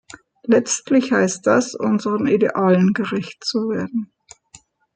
Letztlich heißt das, unseren Idealen gerecht zu werden.